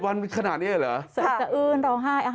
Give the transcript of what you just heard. แบบนี้เลย